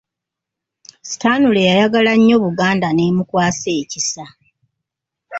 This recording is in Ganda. Stanley yayagala nnyo Buganda n'emukwasa ekisa.